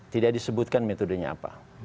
tidak disebutkan metodenya apa